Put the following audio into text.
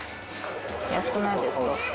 安くないですか？